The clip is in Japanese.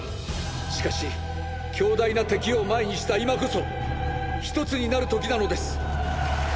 しかし強大な敵を前にした今こそ一つになる時なのです！！